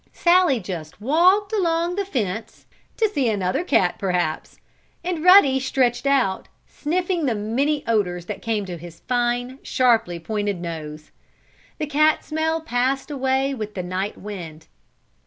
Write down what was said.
Sallie just walked along the fence, to see another cat perhaps, and Ruddy stretched out, sniffing the many odors that came to his fine, sharply pointed nose. The cat smell passed away with the night wind.